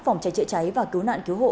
phòng cháy trợ cháy và cứu nạn cứu hộ